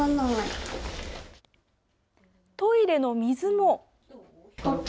トイレの水も。